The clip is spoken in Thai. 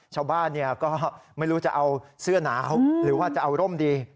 ชาวบ้านก็ไม่รู้จะเอาเสื้อหนาวหรือว่าจะเอาร่มดี